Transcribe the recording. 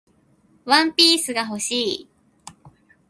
ワンピースが欲しい